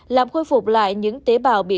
làm khôi phục lại những tế bào bị